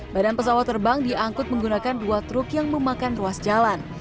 badan pesawat terbang diangkut menggunakan dua truk yang memakan ruas jalan